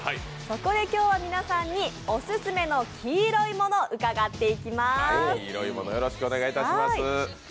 そこで今日は皆さんにオススメの黄色いもの伺っていきます。